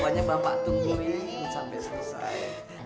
pokoknya bapak tungguin sampai selesai